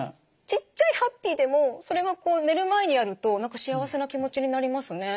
ちっちゃいハッピーでもそれがこう寝る前にやると何か幸せな気持ちになりますね。